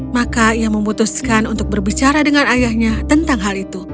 maka ia memutuskan untuk berbicara dengan ayahnya tentang hal itu